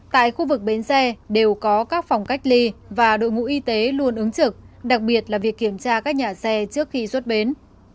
tại khu vực bến xe đều có các phòng cách ly và đội ngũ y tế luôn ứng trực đặc biệt là việc kiểm tra các nhà xe trước khi xuất bến